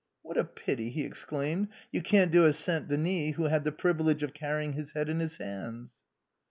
" What a pity," he exclaimed, " you can't do as St. Denis, who had the privilege of carrying his" head in his hands